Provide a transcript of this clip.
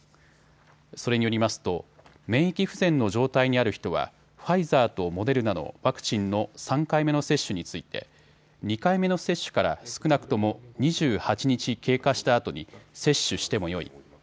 それによりますと免疫不全の状態にある人はファイザーとモデルナのワクチンの３回目の接種について２回目の接種から少なくとも２８日経過したあとに接種してもよい。